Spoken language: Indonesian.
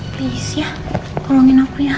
please ya tolongin aku ya